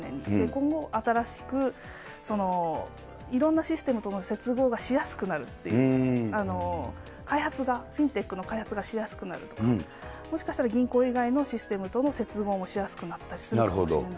今後、新しくいろんなシステムとの接合がしやすくなるっていう、開発が、フィンテックの開発がしやすくなるとか、もしかしたら銀行以外のシステムとの接合もしやすくなったりするかもしれない。